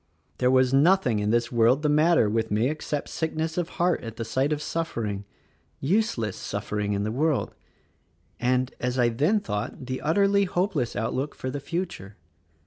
There was nothing in this world the matter with me except sickness of heart at the sight of suffering, useless suffering in the world, and, as I then thought, the utterly hopeless outlook for the future.